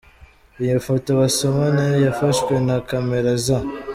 Iyi foto basomana yafashwe na camera za.